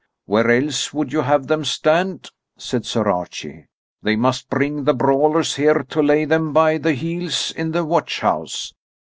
"Where else would you have them stand?" said Sir Archie. "They must bring the brawlers here to lay them by the heels in the watch house.